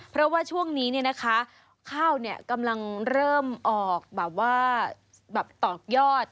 เพราะว่าช่วงนี้เนี่ยนะคะข้าวเนี่ยกำลังเริ่มออกแบบว่าต่อยอด